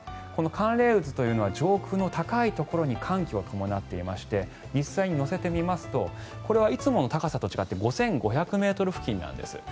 この寒冷渦というのは上空の高いところに寒気を伴っていまして実際に乗せてみますとこれはいつもの高さとは違って５５００ｍ付近なんです。